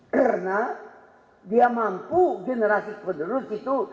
karena dia mampu generasi penerus itu